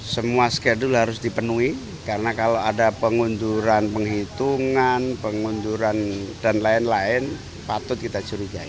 semua skedul harus dipenuhi karena kalau ada pengunduran penghitungan pengunduran dan lain lain patut kita curigai